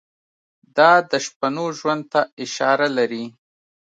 دا د شپنو ژوند ته اشاره لري.